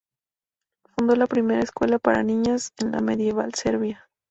Fundó la primera escuela para niñas en la medieval Serbia.